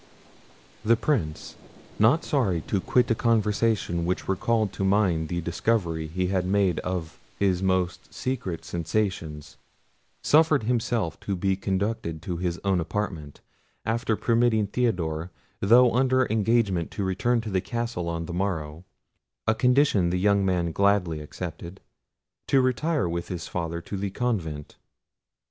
The Prince, not sorry to quit a conversation which recalled to mind the discovery he had made of his most secret sensations, suffered himself to be conducted to his own apartment, after permitting Theodore, though under engagement to return to the castle on the morrow (a condition the young man gladly accepted), to retire with his father to the convent.